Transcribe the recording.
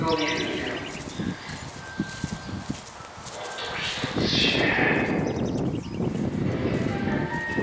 音一つしねえ。